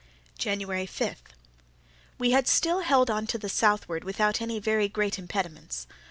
January 5.—We had still held on to the southward without any very great impediments.